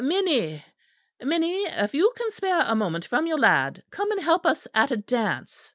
"Minnie, Minnie, if you can spare a moment from your lad, come and help us at a dance."